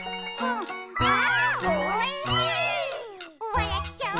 「わらっちゃう」